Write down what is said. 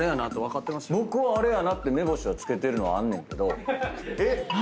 僕はあれやなって目星は付けてるのはあんねんけど。